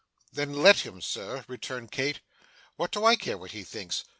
'Then let him, sir,' retorted Kit; 'what do I care, sir, what he thinks?